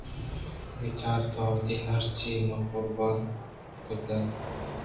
بچار تو وتی ہرچی پہ من قربان کُتگ اَنت